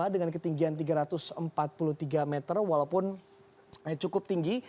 dengan ketinggian tiga ratus empat puluh tiga meter walaupun cukup tinggi